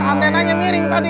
antenanya miring tadi